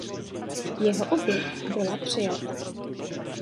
Jeho oběť byla přijata.